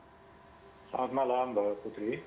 selamat malam mbak putri